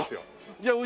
じゃあう